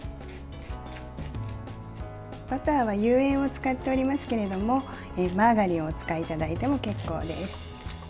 バターは有塩を使っておりますけれどもマーガリンをお使いいただいても結構です。